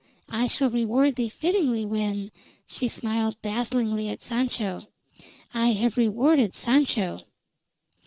I shall reward thee fittingly when" she smiled dazzlingly at Sancho "I have rewarded Sancho."